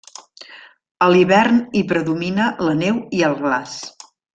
A l'hivern hi predomina la neu i el glaç.